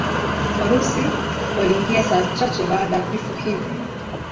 Warusi waliingia saa chache baada ya vifo hivi.